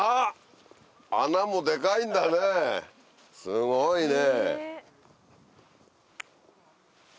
・すごいね。